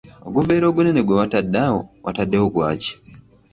Oguveera ogunene gwe watadde awo, wataddewo gwaki?